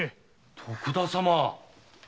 徳田様？